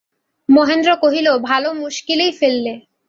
মহেন্দ্র কহিল, ভালো মুশকিলেই ফেলিলে।